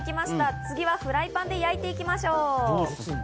次はフライパンで焼いていきましょう。